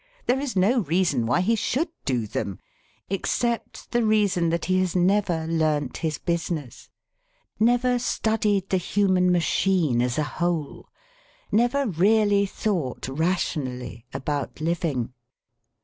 There is no reason why he should do them, except the reason that he has never learnt his business, never studied the human machine as a whole, never really thought rationally about living.